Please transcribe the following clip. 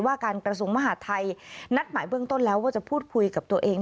การกระทรวงมหาทัยนัดหมายเบื้องต้นแล้วว่าจะพูดคุยกับตัวเอง